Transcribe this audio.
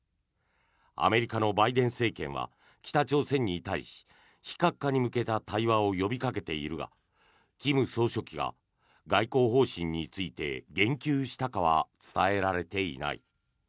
アメリカのバイデン政権は北朝鮮に対し非核化に向けた対話を呼びかけているが金正恩が外交方針について言及したかは伝えられていない。